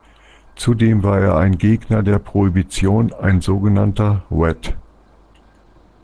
Zudem war er ein Gegner der Prohibition, ein sogenannter "wet".